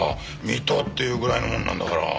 水戸っていうぐらいのもんなんだから。